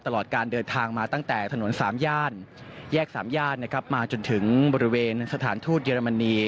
ตลอดการเดินทางมาตั้งแต่ถนนสามย่านแยกสามย่านนะครับมาจนถึงบริเวณสถานทูตเยอรมนี